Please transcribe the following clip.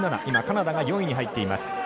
カナダが４位に入っています。